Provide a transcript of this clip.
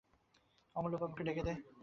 অমূল্যবাবুকে ডেকে দে।